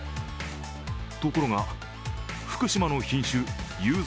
ところが、福島の品種ゆう